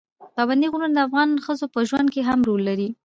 پابندي غرونه د افغان ښځو په ژوند کې هم رول لري.